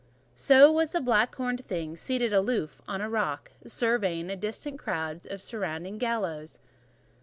So was the black horned thing seated aloof on a rock, surveying a distant crowd surrounding a gallows.